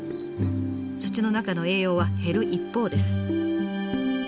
土の中の栄養は減る一方です。